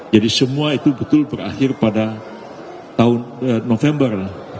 jadi semua itu betul berakhir pada tahun november dua ribu dua puluh tiga